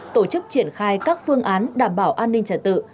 tổ chức triển khai các phương án đảm bảo an ninh trả tự